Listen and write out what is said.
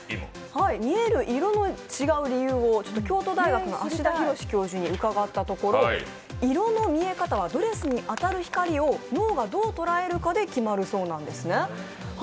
見える色の違う理由を京都大学の蘆田宏教授に伺ったところ、色の見え方はドレスに当たる光が脳がどう捉えるかで決まるそうなんですね。